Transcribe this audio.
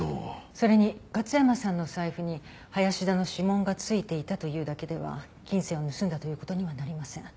それに勝山さんの財布に林田の指紋が付いていたというだけでは金銭を盗んだという事にはなりません。